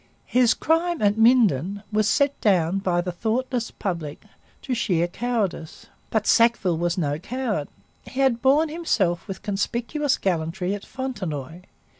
His crime at Minden was set down by the thoughtless public to sheer cowardice. But Sackville was no coward. He had borne himself with conspicuous gallantry at Fontenoy.